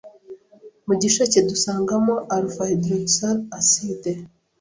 Mu gisheke dusangamo alpha hydroxyl acids